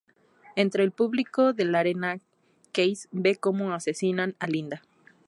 Entre el público de la arena Case ve cómo asesinan a Linda.